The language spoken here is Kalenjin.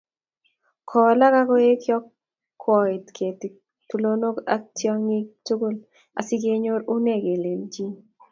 Kowalak akoek yokwotet, ketik tulonok ak tiongik tugul asikenyor unee kelchin